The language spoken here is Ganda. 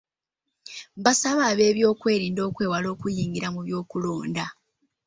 Baasabye ab’ebyokwerinda okwewala okuyingira mu byokulonda.